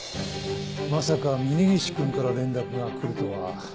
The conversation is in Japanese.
まさか峰岸君から連絡が来るとは。